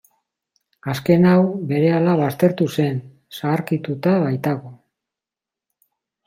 Azken hau berehala baztertu zen, zaharkituta baitago.